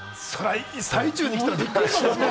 最中に来たらびっくりします